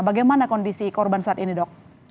bagaimana kondisi korban saat ini dok